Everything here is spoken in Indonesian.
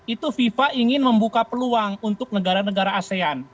itu fifa ingin membuka peluang untuk negara negara asean